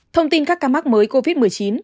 thông tin các ca mắc mới covid một mươi chín